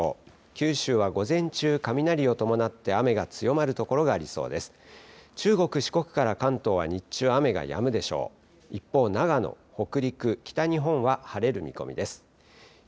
九州は午前中、雷を伴って雨が強まる所がありそうです。